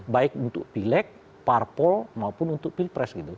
baik untuk pileg parpol maupun untuk pilpres gitu